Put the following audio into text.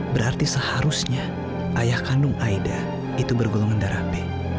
berarti seharusnya ayah kandung aida itu bergolongan darah band